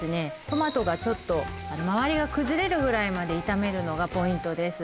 トマトがちょっと周りが崩れるぐらいまで炒めるのがポイントです